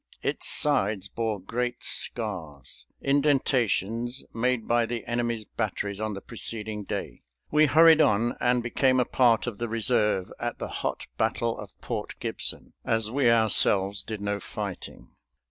Its sides bore great scars, indentations made by the enemy's batteries on the preceding day. We hurried on and became a part of the reserve at the hot battle of Port Gibson, as we ourselves did no fighting.